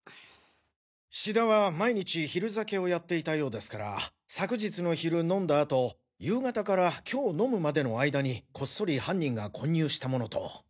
志田は毎日昼酒をやっていたようですから昨日の昼飲んだ後夕方から今日飲むまでの間にこっそり犯人が混入したものと。